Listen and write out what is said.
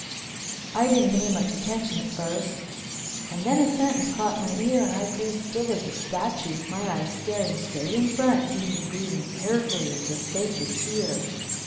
I didn't pay much attention at first and then a sentence caught my ear and I grew still as a statue, my eyes staring straight in front, even breathing carefully as if they could hear.